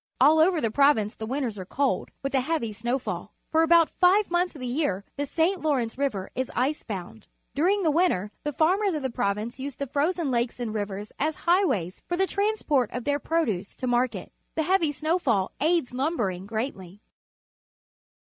.All over the province the winters are coldr with a heavy snowfall. For_ a bout fiv e months of the year the^St. Lawrence River is ice bound. During the winter the farmers of the province use the frozen lakes and rivers as of Quebec. highwaj's for the transport of their produce to market. The hea\ >' snow fall aids lumbering greatly.